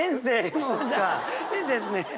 先生ですね。